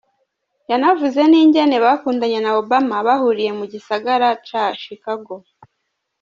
Yanavuze n'ingene bakundanye na Obama bahuriye mu gisagara ca Chicago.